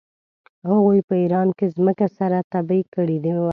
هغوی په ایران کې مځکه سره تبې کړې وه.